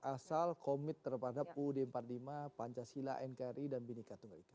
asal komit terhadap uud empat puluh lima pancasila nkri dan binika tunggal ika